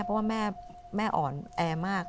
เพราะว่าแม่อ่อนแอมาก